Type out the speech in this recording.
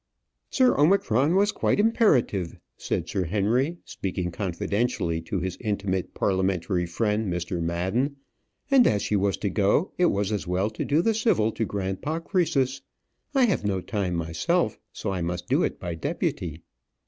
"Sir Omicron was quite imperative," said Sir Henry, speaking confidentially to his intimate parliamentary friend Mr. Madden; "and as she was to go, it was as well to do the civil to grandpapa Croesus. I have no time myself; so I must do it by deputy."